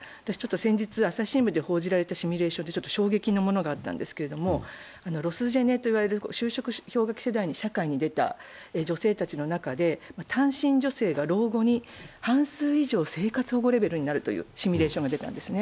先日、朝日新聞で報じられたシミュレーションで衝撃のものがあったんですけれども、ロスジェネといわれる就職氷河期世代に世間に出た単身女性が老後に半数以上、生活保護レベルになるというシミュレーションが出たんですね。